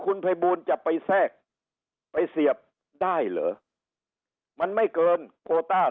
คุณภัยบูลจะไปแทรกไปเสียบได้เหรอมันไม่เกินโคต้า